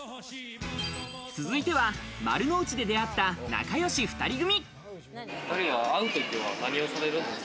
続いては丸の内で出会った、仲よし２人組。